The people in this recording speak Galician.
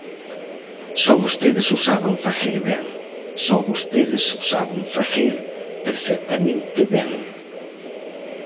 Só vostedes o saben facer ben, só vostedes o saben facer perfectamente ben.